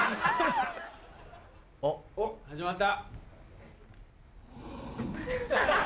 おっ始まった。